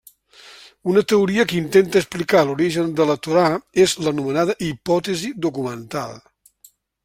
Una teoria que intenta explicar l'origen de la Torà és l'anomenada hipòtesi documental.